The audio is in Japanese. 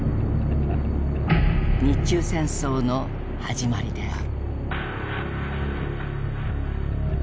日中戦争の始まりである。